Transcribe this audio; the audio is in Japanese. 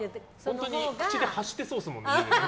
本当に口で走ってそうですもんね。